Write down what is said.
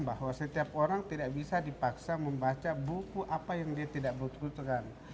bahwa setiap orang tidak bisa dipaksa membaca buku apa yang dia tidak butuhkan